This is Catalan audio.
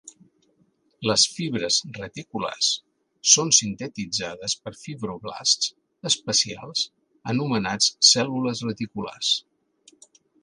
Les fibres reticulars són sintetitzades per fibroblasts especials anomenats cèl·lules reticulars.